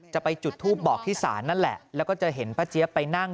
จะไปจุดทูปบอกที่ศาลนั่นแหละแล้วก็จะเห็นป้าเจี๊ยบไปนั่ง